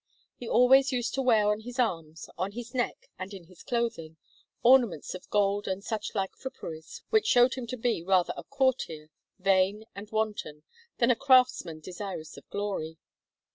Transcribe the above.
He used always to wear on his arms, on his neck, and in his clothing, ornaments of gold and suchlike fripperies, which showed him to be rather a courtier, vain and wanton, than a craftsman desirous of glory.